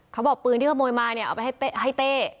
เขาบอกปืนที่ขโมยมาเนี่ยเอาไปให้เต้